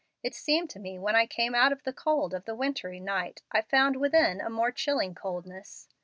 It seemed to me when I came out of the cold of the wintry night I found within a more chilling coldness.